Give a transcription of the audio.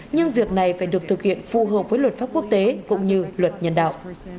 nhưng việc này phải được thực hiện phù hợp với luật pháp quốc tế cũng như luật nhân đạo